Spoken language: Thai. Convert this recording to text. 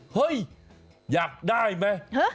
เฮ้ยอยากได้มั้ย